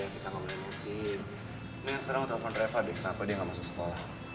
neng sekarang gue telepon reva deh kenapa dia gak masuk sekolah